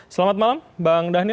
selamat malam bang dhanil